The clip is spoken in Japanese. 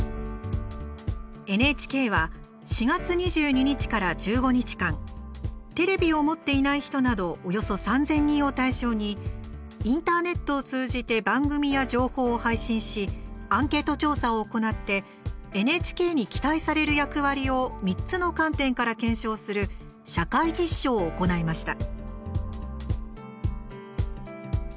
ＮＨＫは４月２２日から１５日間テレビを持っていない人などおよそ３０００人を対象にインターネットを通じて番組や情報を配信しアンケート調査を行ってＮＨＫに期待される役割を３つの観点から検証する社会実証を行いました。